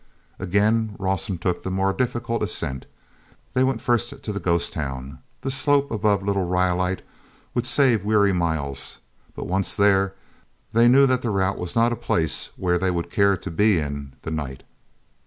gain Rawson took the more difficult ascent. They went first to the ghost town: the slope above Little Rhyolite would save weary miles. But, once there, they knew that the route was not a place where they would care to be in the night.